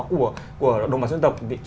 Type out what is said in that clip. của đồng bào dân tộc